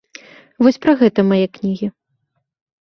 Вось пра гэта мае кнігі.